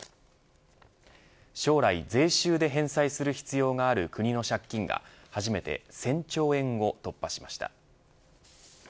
将来、税収で返済する必要がある国の借金が初めて１０００兆円を突破しました。